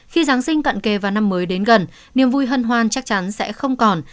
khi giáng sinh cận kề vào năm mới đến gần niềm vui hân hoan chắc chắn sẽ không còn